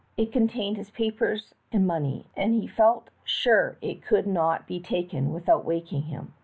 It contained his papers and money, and he felt sure it could not be taken without waking him.